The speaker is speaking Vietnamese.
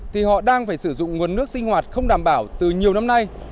thì họ đang phải sử dụng nguồn nước sinh hoạt không đảm bảo từ nhiều năm nay